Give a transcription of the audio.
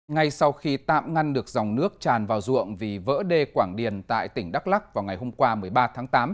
ngay sau khi tạm ngăn được dòng nước tràn vào ruộng vì vỡ đê quảng điền tại tỉnh đắk lắc vào ngày hôm qua một mươi ba tháng tám